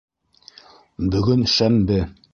- Бөгөн шәмбе.